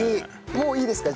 もういいですか？